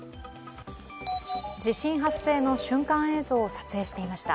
地震発生の瞬間映像を撮影していました。